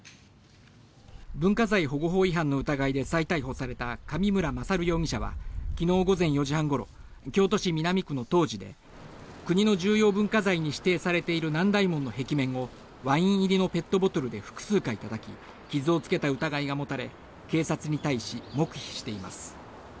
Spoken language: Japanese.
文化財保護法違反の疑いで再逮捕された上村勝容疑者は昨日午前４時半ごろ京都市南区の東寺で国の重要文化財に指定されている南大門の壁面をワイン入りのペットボトルで複数回たたき傷をつけた疑いが持たれ警察に対し、黙秘しています。